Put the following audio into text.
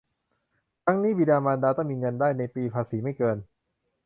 ทั้งนี้บิดามารดาต้องมีเงินได้ในปีภาษีไม่เกิน